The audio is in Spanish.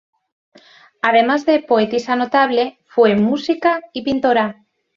Además de Poetisa notable, fue música y pintora.